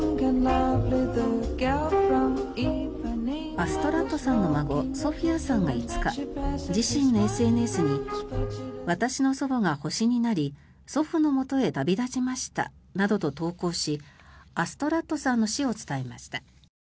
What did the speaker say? アストラッドさんの孫ソフィアさんが５日自身のＳＮＳに私の祖母が星になり祖父のもとへ旅立ちましたなどと投稿しアストラッドさんの死を伝えました。